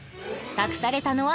託されたのは